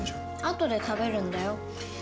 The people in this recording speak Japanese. あとで食べるんだよ。